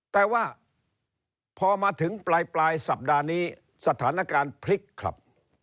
แต่ว่าพอมาถึงปลายสัปดาห์นี้สถานการณ์พลิกครับ